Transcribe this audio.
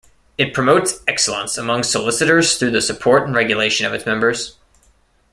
It promotes excellence among solicitors through the support and regulation of its members.